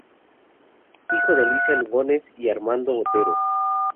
Hijo de Alicia Lugones y Armando Otero.